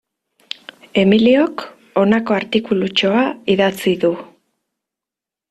Emiliok honako artikulutxoa idatzi du.